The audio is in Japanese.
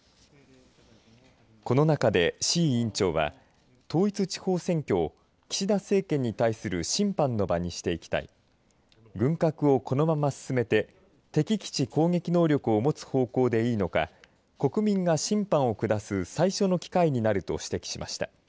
この中で志位委員長は統一地方選挙を岸田政権に対する審判の場にしていきたい軍拡をこのまま進め敵基地攻撃能力を持つ方向でいいのか国民が審判を下す最初の機会になると指摘しました。